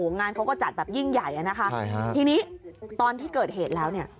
งานเขาก็จัดแบบยิ่งใหญ่อะนะคะทีนี้ตอนที่เกิดเหตุแล้วเนี่ย